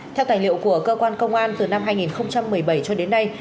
theo tài liệu của cơ quan công an từ năm hai nghìn một mươi bảy cho đến nay